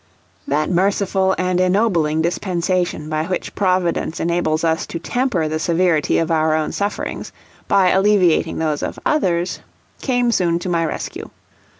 That merciful and ennobling dispensation by which Providence enables us to temper the severity of our own sufferings by alleviating those of others, came soon to my rescue.